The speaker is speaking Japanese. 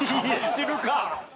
知るか！